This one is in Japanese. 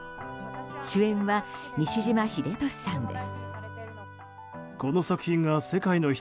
主演は西島秀俊さんです。